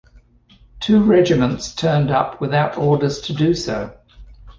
Two regiments turned up without orders to do so.